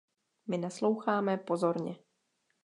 My nasloucháme pozorně.